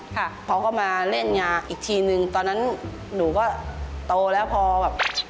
เขาก็มาเล่นงาอีกทีนึงตอนนั้นหนูก็โตแล้วพอแบบ